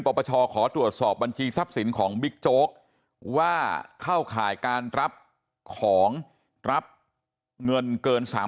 ปปชขอตรวจสอบบัญชีทรัพย์สินของบิ๊กโจ๊กว่าเข้าข่ายการรับของรับเงินเกิน๓๐๐